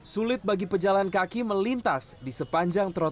sulit bagi pejalan kaki melintas di sepanjang trotoar